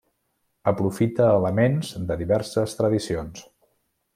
Aprofita elements de diverses tradicions.